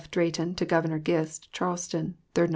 DRAYTON TO GOVERNOR GIST. CHARLESTON, 3d Nov.